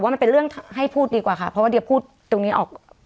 มันเป็นเรื่องให้พูดดีกว่าค่ะเพราะว่าเดี๋ยวพูดตรงนี้ออก